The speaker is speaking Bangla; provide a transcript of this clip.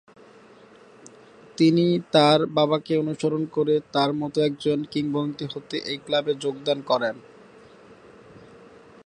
তিনি তার বাবাকে অনুসরণ করে তার মতো একজন কিংবদন্তি হতে এই ক্লাবে যোগদান করেন।